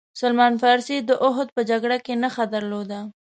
سلمان فارسي داوحد په جګړه کې نښه درلوده.